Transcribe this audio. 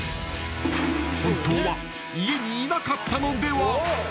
本当は家にいなかったのでは。